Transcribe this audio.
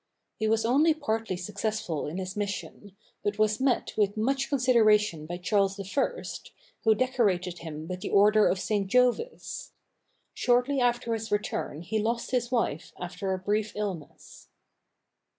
He was only partly successful in his mission, but was met with much consideration by Charles I., who decorated him with the order of St. Jovis. Shortly after his return he lost his wife after a brief illness.